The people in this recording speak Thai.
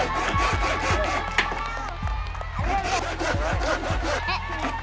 เรื่อย